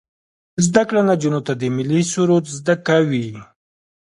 زده کړه نجونو ته د ملي سرود زده کوي.